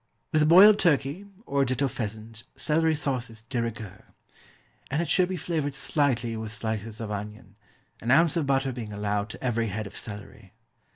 With boiled turkey, or ditto pheasant, celery sauce is de rigueur; and it should be flavoured slightly with slices of onion, an ounce of butter being allowed to every head of celery.